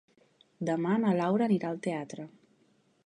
Demà na Laura anirà al teatre.